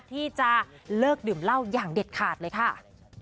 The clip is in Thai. ที่จะเลิกดื่มเหล้าอย่างเด็ดขาดเลยค่ะ